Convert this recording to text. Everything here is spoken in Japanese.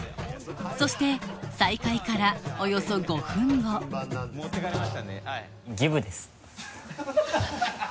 そして再開からおよそ５分後ギブです。